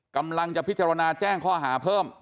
กำลังจะพิจารณาแจ้งข้อหาเพิ่ม